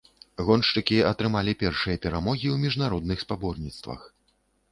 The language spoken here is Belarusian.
Гоншчыкі атрымалі першыя перамогі ў міжнародных спаборніцтвах.